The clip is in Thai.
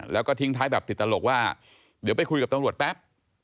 แล้วก็ทิ้งท้ายแบบติดตลกว่าเดี๋ยวไปคุยกับตำรวจแป๊บ